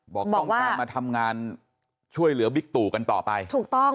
บอกต้องการมาทำงานช่วยเหลือบิ๊กตู่กันต่อไปถูกต้อง